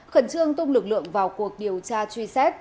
khẩn trương tung lực lượng vào cuộc điều tra truy xét